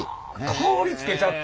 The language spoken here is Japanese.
香りつけちゃった！？